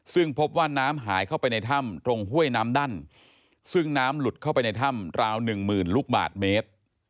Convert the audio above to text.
ซึ่งพบว่าน้ำหายเข้าไปในถ้ำตรงห้วยน้ำดั้นซึ่งน้ำหลุดเข้าไปในถ้ำราวหนึ่งหมื่นลูกบาทเมตร